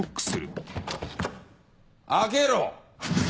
開けろ！